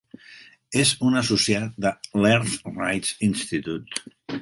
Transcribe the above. És un associat de l'Earth Rights Institute.